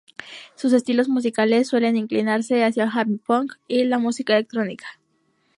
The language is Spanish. Sus estilos musicales suelen inclinarse hacia el happy punk y la música electrónica.